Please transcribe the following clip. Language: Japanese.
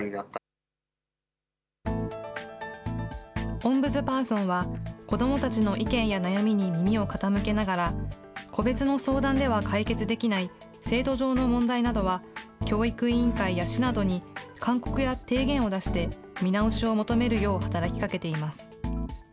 オンブズパーソンは、子どもたちの意見や悩みに耳を傾けながら、個別の相談では解決できない制度上の問題などは、教育委員会や市などに勧告や提言を出して見直しを求めるよう働きかけています。